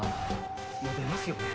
もう出ますよね？